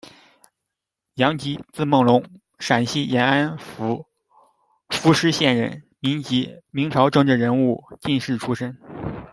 杨吉，字梦龙，陕西延安府肤施县人，民籍，明朝政治人物、进士出身。